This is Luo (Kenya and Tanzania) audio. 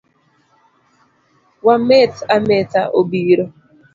Wa meth ametha obiro.